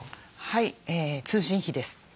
はい通信費です。